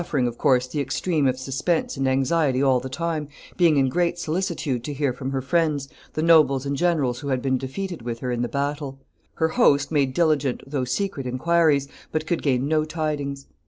] For two days Margaret remained in the cave, suffering, of course, the extreme of suspense and anxiety all the time, being in great solicitude to hear from her friends, the nobles and generals who had been defeated with her in the battle. Her host made diligent though secret inquiries, but could gain no tidings.